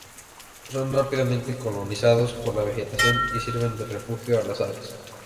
Son rápidamente colonizados por la vegetación y sirven de refugio a las aves.